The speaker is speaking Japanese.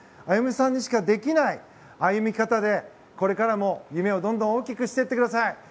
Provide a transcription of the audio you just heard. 歩夢さんにしかできない歩み方でこれからも夢をどんどん大きくしていってください。